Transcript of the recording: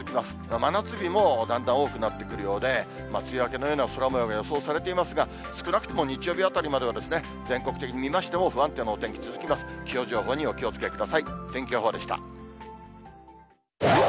真夏日もだんだん多くなってくるようで、梅雨明けのような空もようが予想されていますが、少なくとも日曜日あたりまでは、全国的に見ましても不安定なお天気続きます。